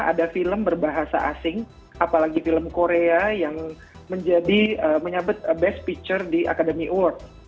ada film berbahasa asing apalagi film korea yang menjadi menyabet best picture di academy award